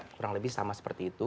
kurang lebih sama seperti itu